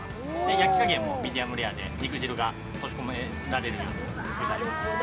焼き加減もミディアムレアで肉汁が閉じ込められるようにしています。